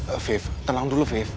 afif tenang dulu afif